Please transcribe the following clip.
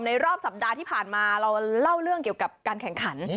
รอบสัปดาห์ที่ผ่านมาเราเล่าเรื่องเกี่ยวกับการแข่งขัน